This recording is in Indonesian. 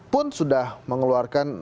pun sudah mengeluarkan